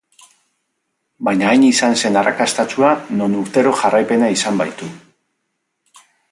Baina, hain izan zen arrakastatsua, non urtero jarraipena izan baitu.